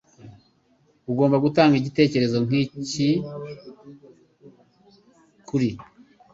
Ugomba gutanga igitekerezo nkiki kuri